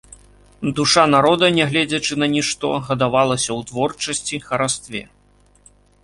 Душа народа, нягледзячы на нішто, гадавалася ў творчасці, харастве.